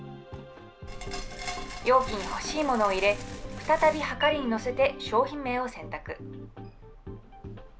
容器に欲しいものを入れ、再びはかりに載せて商品名を選択。